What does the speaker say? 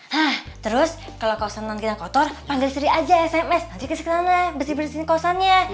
hah terus kalau kosan nang kinang kotor panggil sri aja sms nanti kesini nang besi besiin kosannya